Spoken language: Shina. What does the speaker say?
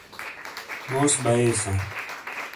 موس بیئیساں۔